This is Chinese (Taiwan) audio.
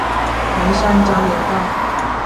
梅山交流道